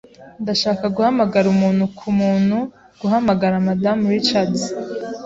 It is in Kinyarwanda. Ndashaka guhamagara umuntu-ku-muntu guhamagara Madamu Richards.